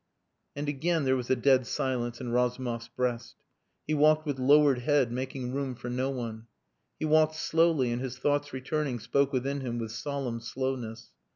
And again there was a dead silence in Razumov's breast. He walked with lowered head, making room for no one. He walked slowly and his thoughts returning spoke within him with solemn slowness.